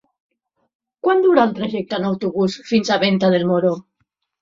Quant dura el trajecte en autobús fins a Venta del Moro?